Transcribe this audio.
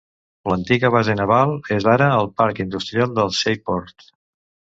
L'antiga base naval és ara el parc industrial de Sydport.